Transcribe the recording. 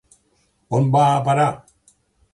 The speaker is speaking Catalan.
¿on va a parar?